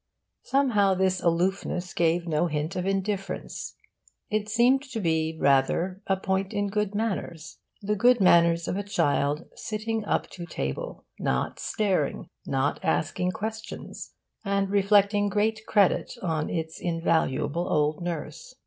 Somehow this aloofness gave no hint of indifference. It seemed to be, rather, a point in good manners the good manners of a child 'sitting up to table,' not 'staring,' not 'asking questions,' and reflecting great credit on its invaluable old nurse.